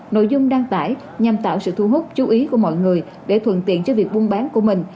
nội dung đăng tải nhằm tạo sự thu hút chú ý của mọi người để thuận tiện cho việc buôn bán của mình